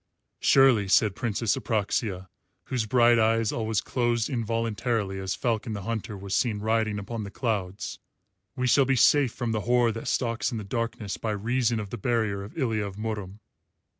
"Surely," said Princess Apraxia, whose bright eyes always closed involuntarily as Falcon the Hunter was seen riding upon the clouds, "we shall be safe from the horror that stalks in the darkness by reason of the barrier of Ilya of Murom."